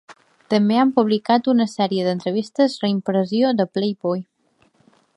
També han publicat una sèrie d'entrevistes reimpressió de Playboy.